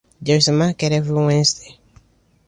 There is a market every Wednesday.